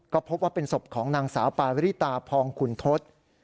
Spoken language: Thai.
ก็พบว่าเป็นศพของนางสาวปาริตาพองขุนทศ